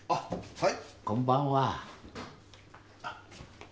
はい。